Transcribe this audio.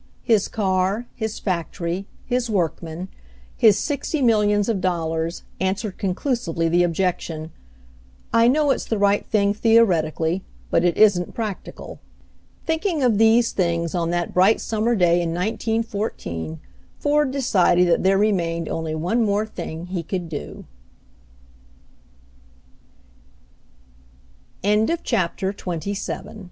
His car, his fac tory, his workmen, his sixty millions of dollars, answered conclusively the objection, "I know it's the right thing, theoretically — but it isn't practi cal." Thinking of these things on that bright sum mer day in 19 14, Ford decided that there re mained only one more thing he